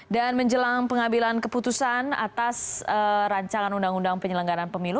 dan menjelang pengambilan keputusan atas rancangan undang undang penyelenggaraan pemilu